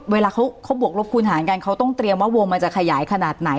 เวลาเขาบวกลบคูณหารกันเขาต้องเตรียมว่าวงมันจะขยายขนาดไหน